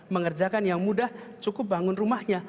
mengerjakan yang mudah cukup bangun rumahnya